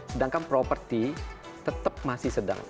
sedangkan properti tetap masih sedang